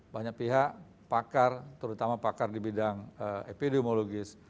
banyak pihak pakar terutama pakar di bidang epidemiologis